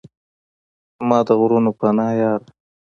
زما د غرونو پناه یاره!